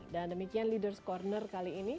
dan demikian leaders corner kali ini